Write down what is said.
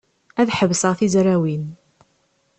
Ad ḥebseɣ tizrawin.